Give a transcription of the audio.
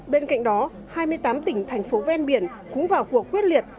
bên cạnh đó hai mươi tám tỉnh thành phố ven biển cũng vào cuộc quyết liệt